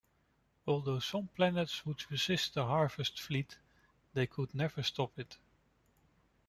Although some planets would resist the harvest fleet, they could never stop it.